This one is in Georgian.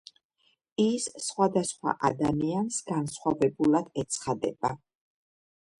ის სხვადასხვა ადამიანს განსხვავებულად ეცხადება.